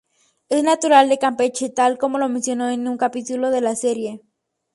Es natural de Campeche, tal como lo mencionó en un capítulo de la serie.